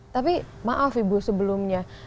tapi maaf ibu sebelumnya